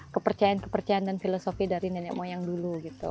kepercayaan kepercayaan dan filosofi dari nenek moyang dulu gitu